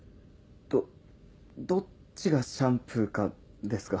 どどっちがシャンプーかですか？